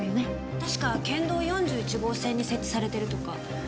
確か県道４１号線に設置されてるとか。